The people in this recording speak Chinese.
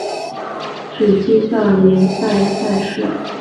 只计算联赛赛事。